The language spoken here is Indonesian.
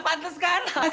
bikin lu terkenalnya